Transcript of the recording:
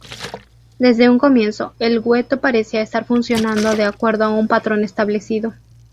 Desde un comienzo, el gueto parecía estar funcionando de acuerdo a un patrón establecido.